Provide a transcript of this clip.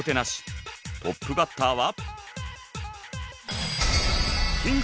トップバッターは。